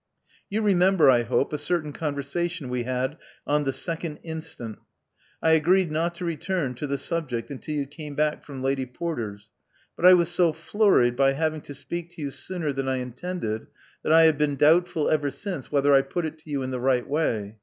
You remember, I hope, a certain conversation we had on the 2nd inst. I agreed not to return to the subject until you came back from Lady Porter's; but I was so flurried by having to speak to you sooner than I intended, that I have been doubtful ever since whether I put it to you in the right way.